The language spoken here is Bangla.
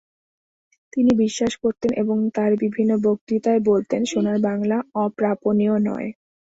তিনি বিশ্বাস করতেন এবং তাঁর বিভিন্ন বক্তৃতায় বলতেন, সোনার বাংলা অপ্রাপণীয় নয়।